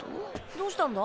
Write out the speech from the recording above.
どうしたんだ？